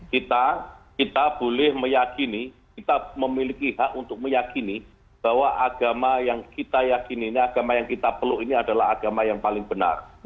kita kita boleh meyakini kita memiliki hak untuk meyakini bahwa agama yang kita yakini agama yang kita peluk ini adalah agama yang paling benar